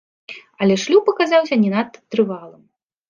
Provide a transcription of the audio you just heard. Але шлюб аказаўся не надта трывалым.